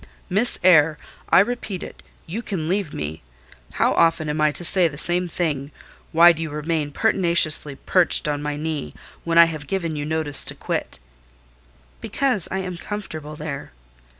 "Miss Eyre, I repeat it, you can leave me. How often am I to say the same thing? Why do you remain pertinaciously perched on my knee, when I have given you notice to quit?" "Because I am comfortable there."